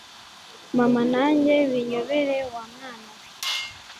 mama nanjye binyobere wamwana we